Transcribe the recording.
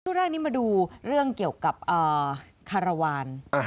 ช่วงแรกนี้มาดูเรื่องเกี่ยวกับอ่าคารวานอ่าฮะ